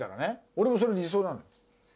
俺もそれ理想なの。